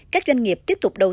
các doanh nghiệp tiếp tục đầu tư